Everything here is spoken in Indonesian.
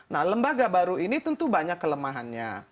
nah lembaga baru ini tentu banyak kelemahannya